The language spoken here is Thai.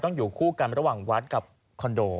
อยู่คู่กันระหว่างวัดกับคอนโด